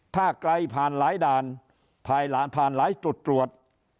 ถ้าไกลผ่านหลายด่านภายหลานผ่านหลายจุดตรวจ